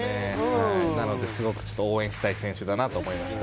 なのですごく応援したい選手だなと思いました。